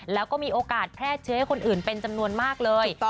แล้วก็มีโอกาสแพร่เชื้อให้คนอื่นเป็นจำนวนมากเลย